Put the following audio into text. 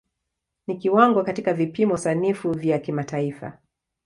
Ni kiwango katika vipimo sanifu vya kimataifa.